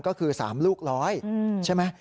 ก็คือ๓ลูก๑๐๐ใช่ไหม